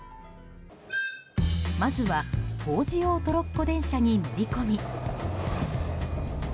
まずは工事用トロッコ電車に乗り込み。